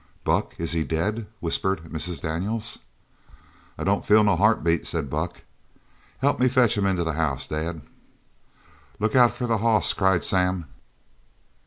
"Buck, is he dead?" whispered Mrs. Daniels. "I don't feel no heart beat," said Buck. "Help me fetch him into the house, Dad!" "Look out for the hoss!" cried Sam.